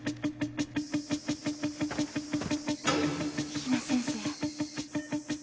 比奈先生